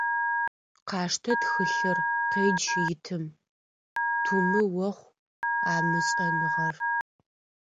Къаштэ тхылъыр, къедж итым, тумы охъу а мышӏэныгъэр.